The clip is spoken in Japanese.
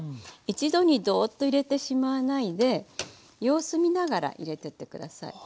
一度にドーッと入れてしまわないで様子見ながら入れてってください。